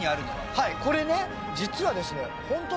はいこれね実はですね。